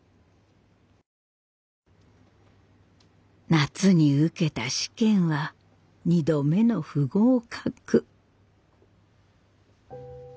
夏に受けた試験は２度目の不合格。